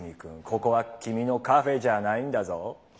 ここは君のカフェじゃあないんだぞ。